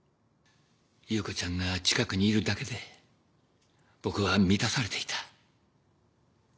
優子ちゃんが近くにいるだけで僕は満たされていた。